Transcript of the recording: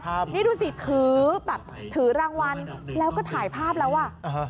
นี่ดูสิถือแบบถือรางวัลแล้วก็ถ่ายภาพแล้วอ่ะ